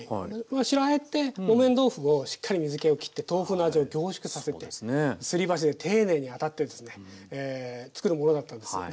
白あえって木綿豆腐をしっかり水けをきって豆腐の味を凝縮させてすり鉢で丁寧に当たってですねつくるものだったんですよ。